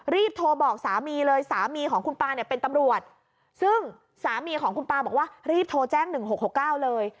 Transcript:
รีบโทรบอกสามีเลยสามีของคุณปลาเนี่ยเป็นตำรวจซึ่งสามีของคุณปลาบอกว่ารีบโทรแจ้ง๑๖๖๙เลย